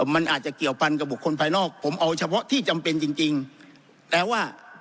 มันอาจจะเกี่ยวพันกับบุคคลภายนอกผมเอาเฉพาะที่จำเป็นจริงจริงแต่ว่า